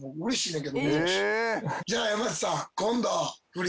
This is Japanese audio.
じゃあ山内さん今度。